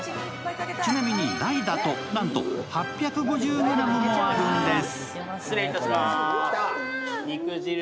ちなみに、大だとなんと８５０ｇもあるんです。